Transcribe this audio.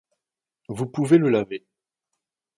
Vous pouvez le laver.